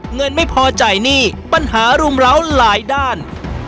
เงินไม่พอจ่ายหนี้ปัญหารุมเล้าหลายด้าน